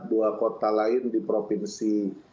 dua kota lain di provinsi